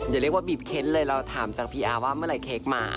อย่าเรียกว่าบีบเค้นเลยเราถามจากพีอาร์ว่าเมื่อไห้เค้กมา